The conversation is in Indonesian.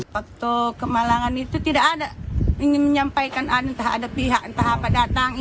waktu kemalangan itu tidak ada ingin menyampaikan entah ada pihak entah apa datang